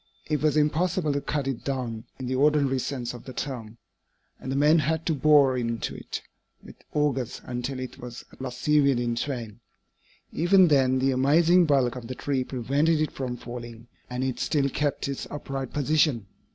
It was impossible to cut it down, in the ordinary sense of the term, and the men had to bore into it with augers until it was at last severed in twain. Even then the amazing bulk of the tree prevented it from falling, and it still kept its upright position.